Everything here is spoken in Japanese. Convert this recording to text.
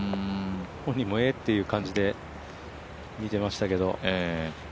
本人も、えっていう感じで見てましたけど。